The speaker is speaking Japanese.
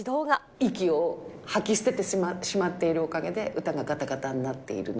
息を吐き捨ててしまっているおかげで、歌ががたがたになっているの。